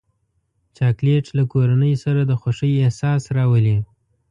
چاکلېټ له کورنۍ سره د خوښۍ احساس راولي.